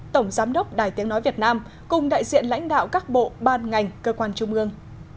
tổng giám đốc đài tiếng nói việt nam cùng đại diện lãnh đạo các bộ ban ngành cơ quan trung ương